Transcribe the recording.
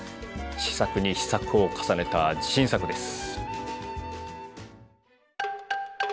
試作に試作を重ねた自信作です。